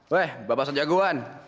weh bapak sejaguan